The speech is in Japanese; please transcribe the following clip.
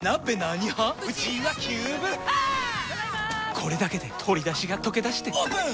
これだけで鶏だしがとけだしてオープン！